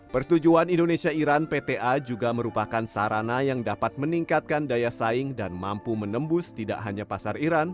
persetujuan indonesia iran pta juga merupakan sarana yang dapat meningkatkan daya saing dan mampu menembus tidak hanya pasar iran